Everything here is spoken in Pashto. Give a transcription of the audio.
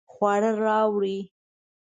خواړه راوړئ